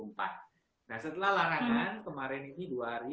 nah setelah larangan kemarin ini dua hari